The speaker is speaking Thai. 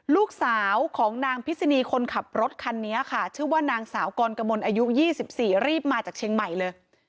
ลูกสาวของนางพิษณีคนขับรถคันนี้ค่ะชื่อว่านางสาวกรกมลอายุ๒๔รีบมาจากเชียงใหม่เลย